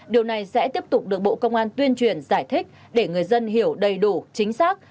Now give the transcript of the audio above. điều này sẽ tiếp tục được bộ công an tuyên truyền giải thích để người dân hiểu đầy đủ chính xác